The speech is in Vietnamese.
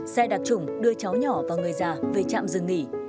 xe đặc trùng đưa cháu nhỏ và người già về trạm dừng nghỉ